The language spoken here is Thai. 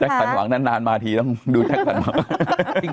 จัคสันหวังนานเมื่อมาทีต้องดูจัคสันหวัง